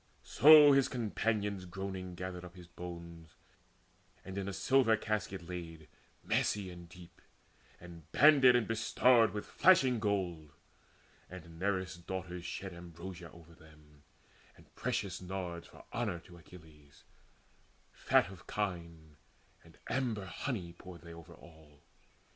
So his companions groaning gathered up His bones, and in a silver casket laid Massy and deep, and banded and bestarred With flashing gold; and Nereus' daughters shed Ambrosia over them, and precious nards For honour to Achilles: fat of kine And amber honey poured they over all.